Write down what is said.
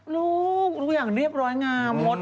ลูกทุกอย่างเรียบร้อยงามงด